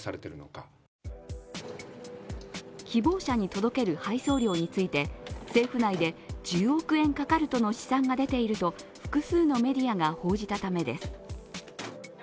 希望者に届ける配送料について政府内で１０億円かかるとの試算が出ていると複数のメディアが報じたためです。